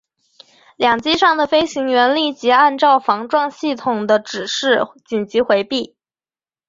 两机上的飞行员立即按照防撞系统的指示紧急回避。